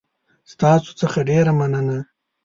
ستاسو څخه ډېره مننه